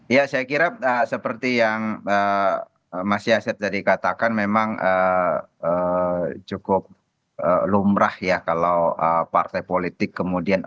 ya saya kira seperti yang mas yaset tadi katakan memang cukup lumrah ya kalau partai politik kemudian